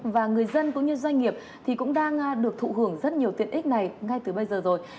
và người dân cũng như doanh nghiệp thì cũng đang được thụ hưởng rất nhiều tiện ích này ngay từ bây giờ rồi